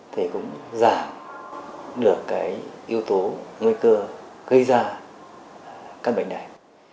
thì cũng giảm được cái yếu tố nguy cơ gây ra căn bệnh này